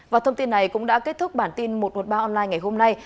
và thông tin này cũng đã kết thúc bản tin một trăm một mươi ba online ngày hôm nay